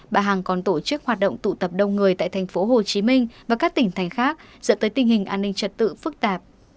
bà hằng còn tổ chức hoạt động tụ tập đông người tại tp hcm và các tỉnh thành khác dẫn tới tình hình an ninh trật tự phức tạp